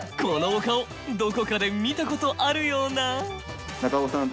このお顔どこかで見たことあるような？